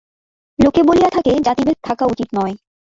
লোকে বলিয়া থাকে, জাতিভেদ থাকা উচিত নয়।